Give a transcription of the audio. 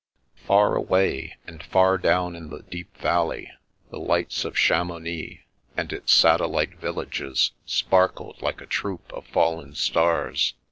Far away, and far down in the deep valley, the lights of Chamounix and its satellite villages spar kled like a troupe of fallen stars.